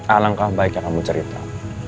alangkah baiknya kamu cerita